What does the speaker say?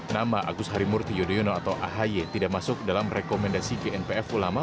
nama agus harimurti yudhoyono atau ahy tidak masuk dalam rekomendasi gnpf ulama